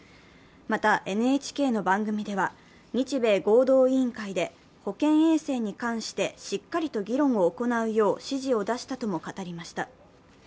また、ＮＨＫの番組では日米合同委員会で保健衛生に関してしっかりと議論を行うよう指示を出したとも語りました。